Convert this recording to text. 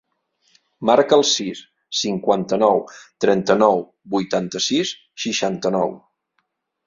Marca el sis, cinquanta-nou, trenta-nou, vuitanta-sis, seixanta-nou.